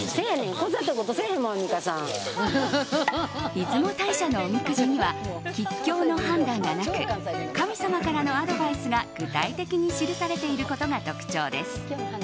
出雲大社のおみくじには吉凶の判断がなく神様からのアドバイスが具体的に記されていることが特徴です。